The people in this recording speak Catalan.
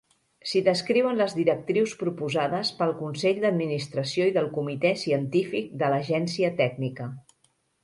S'hi descriuen les directrius proposades pel Consell d'Administració i del Comitè Científic de l'Agència Tècnica.